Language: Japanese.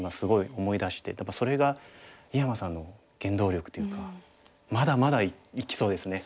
やっぱりそれが井山さんの原動力というかまだまだいきそうですね。